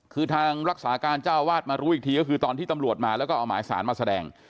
คือทางรักษาการเจ้าวาดมารู้อีกทีก็คือตอนที่ตำรวจมาแล้วก็เอาหมายสารมาแสดง